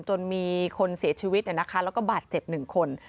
จนมีคนเสียชีวิตเนี่ยนะคะแล้วก็บาดเจ็บหนึ่งคน